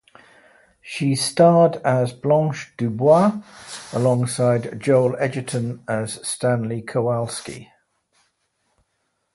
She starred as Blanche DuBois alongside Joel Edgerton as Stanley Kowalski.